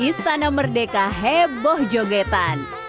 istana merdeka heboh jogetan